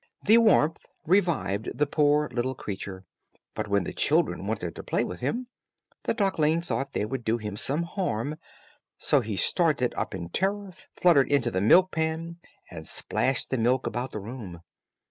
The warmth revived the poor little creature; but when the children wanted to play with him, the duckling thought they would do him some harm; so he started up in terror, fluttered into the milk pan, and splashed the milk about the room.